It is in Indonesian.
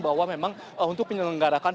bahwa memang untuk menyelenggarakan